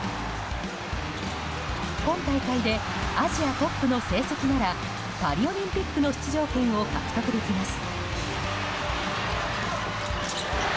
今大会でアジアトップの成績ならパリオリンピックの出場権を獲得できます。